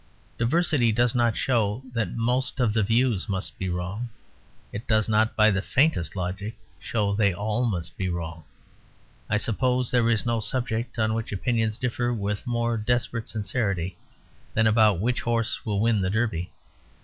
Diversity does show that most of the views must be wrong. It does not by the faintest logic show that they all must be wrong. I suppose there is no subject on which opinions differ with more desperate sincerity than about which horse will win the Derby.